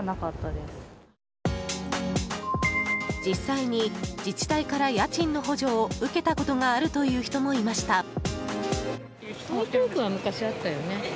実際に自治体から家賃の補助を受けたことがあるという人もいました。